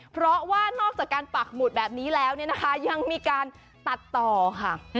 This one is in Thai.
เพราะว่านอกจากการปักหมุดแบบนี้แล้วเนี่ยนะคะยังมีการตัดต่อค่ะ